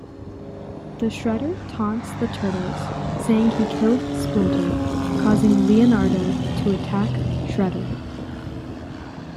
The Shredder taunts the Turtles, saying he killed Splinter, causing Leonardo to attack Shredder.